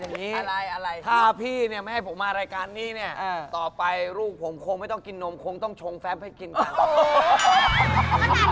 นี่อย่าไปติดต่อเขานั่งรอแล้วค่ะ